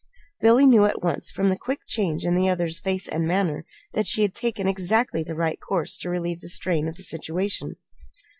Billy knew, at once, from the quick change in the other's face and manner, that she had taken exactly the right course to relieve the strain of the situation.